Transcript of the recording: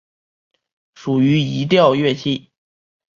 属于移调乐器。